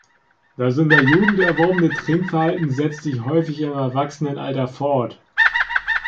Das in der Jugend erworbene Trinkverhalten setzt sich häufig im Erwachsenenalter fort.